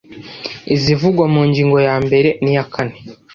izivugwa mu ngingo yambere niyakane